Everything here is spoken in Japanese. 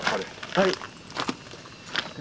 はい。